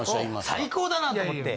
最高だなって思って。